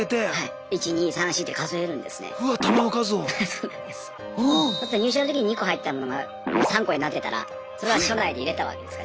そうすると入所のときに２個入ってたものが３個になってたらそれは所内で入れたわけです。